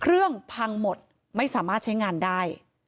พังหมดไม่สามารถใช้งานได้